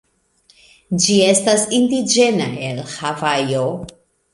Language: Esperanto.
Ĝi estas indiĝena el Havajo.